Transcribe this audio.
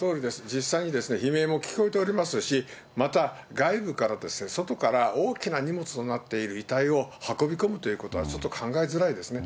実際に悲鳴も聞こえておりますし、また外部から、外から大きな荷物となっている遺体を運び込むということはちょっと考えづらいですね。